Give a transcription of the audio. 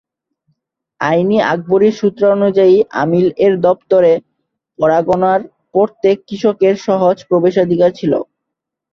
আইন-ই আকবরীর সূত্রানুযায়ী, আমিল-এর দপ্তরে পরগণার প্রত্যেক কৃষকের সহজ প্রবেশাধিকার ছিল।